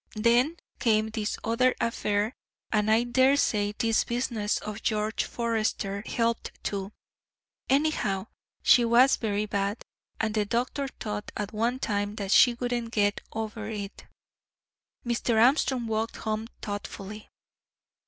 Then came this other affair, and I dare say this business of George Forester's helped too. Anyhow, she was very bad, and the doctor thought at one time that she wouldn't get over it." Mr. Armstrong walked home thoughtfully.